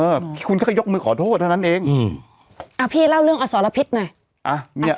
อืมเออพี่คุณก็ก็ยกมือขอโทษเท่านั้นเองอืมอ่าพี่เล่าเรื่องอสรพิษหน่อยอ่ะ